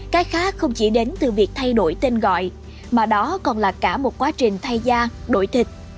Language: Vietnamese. cái khác không chỉ đến từ việc thay đổi tên gọi mà đó còn là cả một quá trình thay da đổi thịt